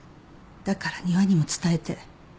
だから仁和にも伝えて。